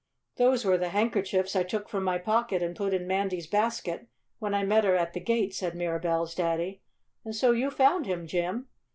"Those were the handkerchiefs I took from my pocket and put in Mandy's basket when I met her at the gate," said Mirabell's daddy. "And so you found him, Jim!"